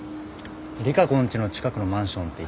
利佳子んちの近くのマンションって言ってたから。